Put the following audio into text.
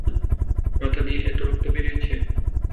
মাথা দিয়ে এতো রক্ত বেরিয়েছে?